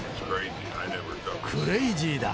クレイジーだ。